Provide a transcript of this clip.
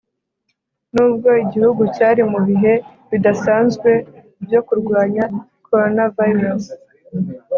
nubwo igihugu cyari mu bihe bidasanzwe byo kurwanya Coronavirus.